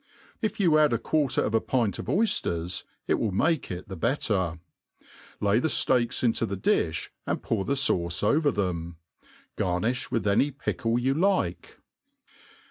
If you add a quarter of a pint of oyfters, it will make it the better. Lay ffae fteaks into the di(h, and pour the fauce over them. Gar* J)iih with any pickle you like.